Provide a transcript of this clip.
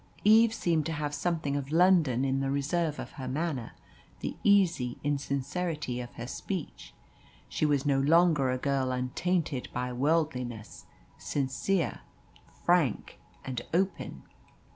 Eve seemed to have something of London in the reserve of her manner the easy insincerity of her speech. She was no longer a girl untainted by worldliness sincere, frank, and open.